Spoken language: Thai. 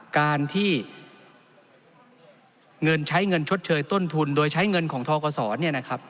การที่เงินใช้เงินชดเชยต้นทุนโดยใช้เงินของทกศเนี่ยนะครับ